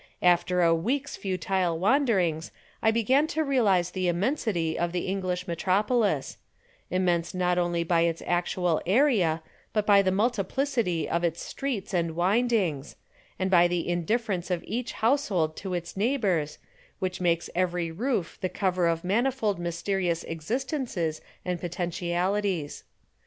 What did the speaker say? After a week's futile wanderings I began to realize the immensity of the English metropolis immense not only by its actual area, but by the multiplicity of its streets and windings, and by the indifference of each household to its neighbors, which makes every roof the cover of manifold mysterious existences and potentialities.